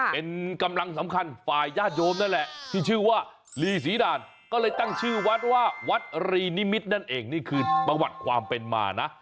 เป็นกำลังสำคัญฝ่ายญาติโยมนั่นแหละที่ชื่อว่าลีศรีด่านก็เลยตั้งชื่อวัดว่าวัดรีนิมิตรนั่นเองนี่คือประวัติความเป็นมานะ